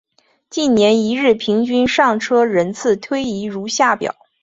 近年一日平均上车人次推移如下表。